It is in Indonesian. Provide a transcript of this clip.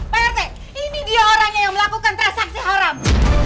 prt ini dia orangnya yang melakukan transaksi haram